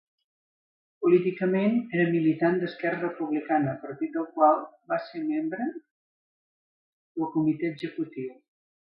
Políticament, era militant d'Esquerra Republicana partit del qual va ser membre del comitè executiu.